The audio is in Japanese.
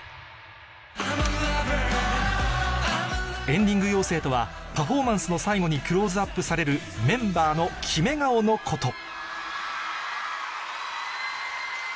エンディング妖精とはパフォーマンスの最後にクローズアップされるメンバーのキメ顔のこと